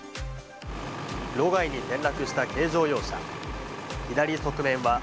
路外に転落した軽乗用車。